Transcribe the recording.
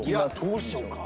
どうしようか？